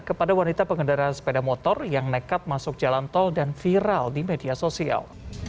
kepada wanita pengendara sepeda motor yang nekat masuk jalan tol dan viral di media sosial